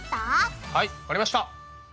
はいわかりました！